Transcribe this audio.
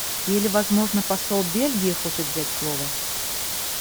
Или, возможно, посол Бельгии хочет взять слово?